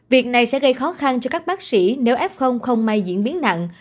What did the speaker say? việc này sẽ gây khó khăn cho các bác sĩ nếu f không may diễn biến nặng